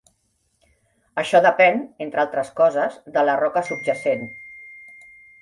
Això depèn, entre altres coses, de la roca subjacent.